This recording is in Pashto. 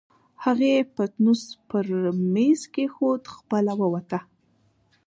هغې پتنوس پر مېز کېښود، خپله ووته.